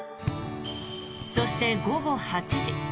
そして、午後８時。